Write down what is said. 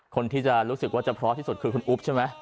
คนที่จะรู้สึกว่าจะเพราะที่สุดคือคุณอุ๊บใช่ไหม